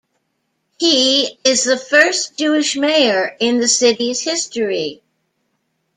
He is the first Jewish mayor in the city's history.